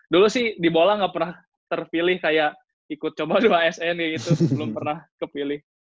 dulu sih di bola gak pernah terpilih kayak ikut coba dua sn ya itu belum pernah kepilih